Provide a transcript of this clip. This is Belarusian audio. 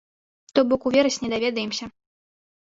То бок у верасні даведаемся.